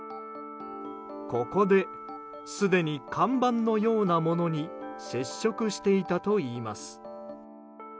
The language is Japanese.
ここで、すでに看板のようなものに接触していたといいます。